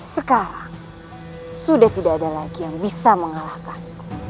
sekarang sudah tidak ada lagi yang bisa mengalahkan